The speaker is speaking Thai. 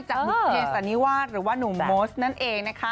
จากหนุ่มเยสอันนี้ว่าหรือว่าหนุ่มโมสต์นั่นเอง